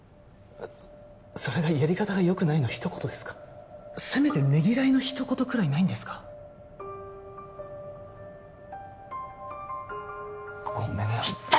それがやり方がよくないの一言ですかせめてねぎらいの一言くらいないんですかごめんなさい